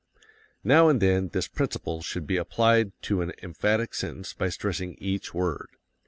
Now and then this principle should be applied to an emphatic sentence by stressing each word.